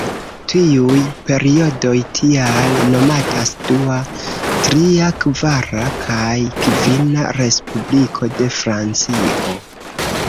Tiuj periodoj tial nomatas Dua, Tria, Kvara kaj Kvina Respubliko de Francio.